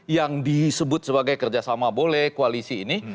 yang disebut sebagai kerjasama boleh koalisi ini